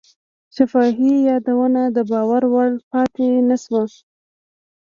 شفاهي یادونه د باور وړ پاتې نه شوه.